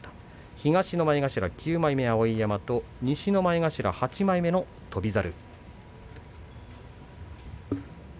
東の前頭９枚目、碧山西の前頭８枚目翔猿。